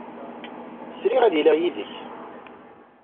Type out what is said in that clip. Sriɣ ad iliɣ yid-k.